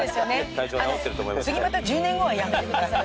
次また１０年後はやめてください。